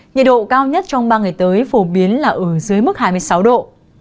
nhiệt độ cao nhất trong ba ngày tới phổ biến là ở dưới mức hai mươi sáu độ